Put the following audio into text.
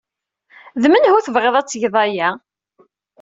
D menhu tebɣiḍ ad tgeḍ aya?